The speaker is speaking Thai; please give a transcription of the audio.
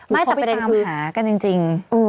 แต่ประเด็นความค้ากันจริง